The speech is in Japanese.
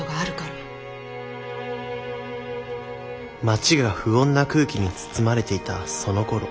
町が不穏な空気に包まれていたそのころ